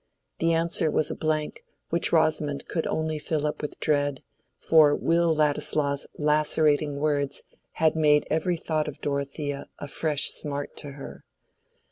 The answer was a blank which Rosamond could only fill up with dread, for Will Ladislaw's lacerating words had made every thought of Dorothea a fresh smart to her.